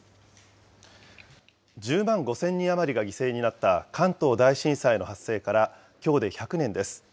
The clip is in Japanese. １０万５０００人余りが犠牲になった関東大震災の発生から、きょうで１００年です。